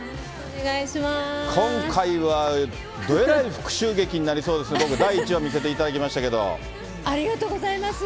今回は、どえらい復讐劇になりそうですね、僕、第１話見せてありがとうございます。